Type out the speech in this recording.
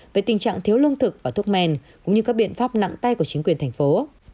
về tình trạng thiếu lương thực và thuốc men cũng như các biện pháp nặng tay của chính quyền thành phố